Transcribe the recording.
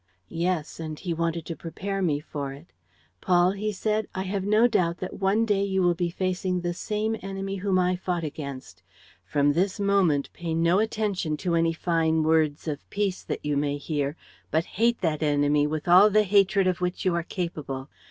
"Yes; and he wanted to prepare me for it. 'Paul,' he said, 'I have no doubt that one day you will be facing the same enemy whom I fought against. From this moment pay no attention to any fine words of peace that you may hear, but hate that enemy with all the hatred of which you are capable.